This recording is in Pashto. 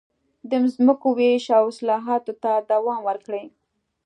د ځمکو وېش او اصلاحاتو ته دوام ورکړي.